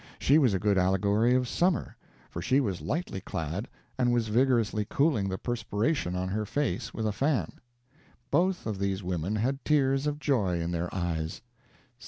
She was a good allegory of summer, for she was lightly clad, and was vigorously cooling the perspiration on her face with a fan. Both of these women had tears of joy in their eyes.